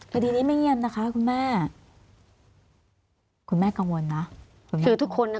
คดีนี้ไม่เงียบนะคะคุณแม่คุณแม่กังวลนะคือทุกคนน่ะ